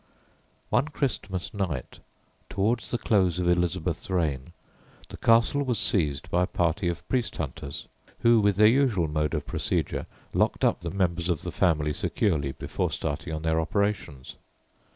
One Christmas night towards the close of Elizabeth's reign the castle was seized by a party of priest hunters, who, with their usual mode of procedure, locked up the members of the family securely before starting on their operations.